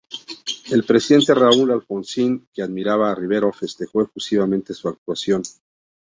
El presidente Raúl Alfonsín, que admiraba a Rivero, festejó efusivamente su actuación.